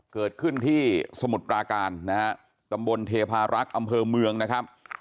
เกิดขึ้นที่สมุทรปราการนะฮะตำบลเทพารักษ์อำเภอเมืองนะครับ